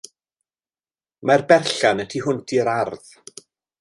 Mae'r berllan y tu hwnt i'r ardd.